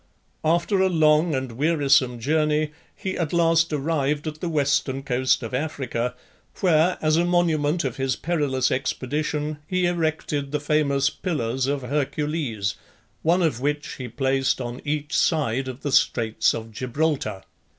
After a long and wearisome journey he at last arrived at the western coast of Africa, where, as a monument of his perilous expedition, he erected the famous "Pillars of Hercules," one of which he placed on each side of the Straits of Gibraltar.